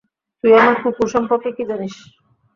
তুই আমার কুকুর সম্পর্কে কী জানিস?